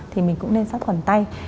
thì mình cũng nên sắp khuẩn tay